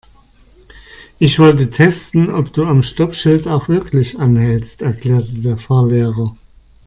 Ich wollte testen, ob du am Stoppschild auch wirklich anhältst, erklärte der Fahrlehrer.